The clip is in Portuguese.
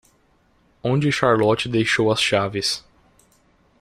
Onde Charlotte deixou as chaves?